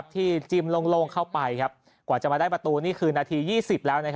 จิ้มโล่งเข้าไปกว่าจะมาได้ประตูนี่คือนาที๒๐แล้ว